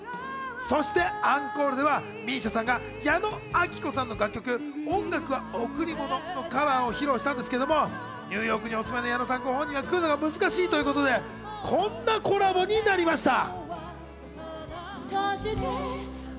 そしてアンコールではＭＩＳＩＡさんが矢野顕子さんの楽曲『音楽はおくりもの』のカバーを披露したんですけれども、ニューヨークにお住まいの矢野さんご本人が来るのは難しいということで、こんなコラボになりました。